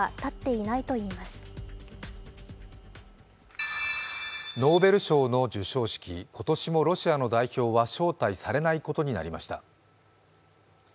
めどはノーベル賞の授賞式、今年もロシアの代表は招待されないことになりました。